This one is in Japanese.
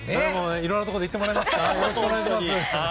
いろいろなところで言ってもらえますから。